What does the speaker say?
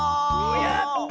やった！